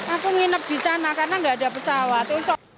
aku nginep di sana karena nggak ada pesawat